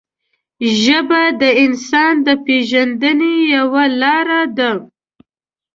ژبه د انسان د پېژندنې یوه لاره ده